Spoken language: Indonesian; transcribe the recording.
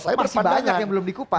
saya masih banyak yang belum di kumpas